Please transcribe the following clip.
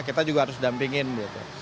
kita juga harus dampingin gitu